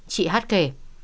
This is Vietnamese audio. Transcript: chị hát kể